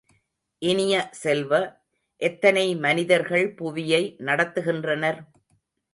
இனிய செல்வ, எத்தனை மனிதர்கள் புவியை நடத்துகின்றனர்?